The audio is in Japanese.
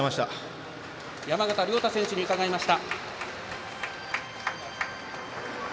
山縣亮太選手に伺いました。